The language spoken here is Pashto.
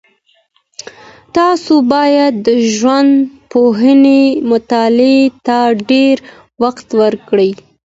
تاسو باید د ژوندپوهنې مطالعې ته ډېر وخت ورکړئ.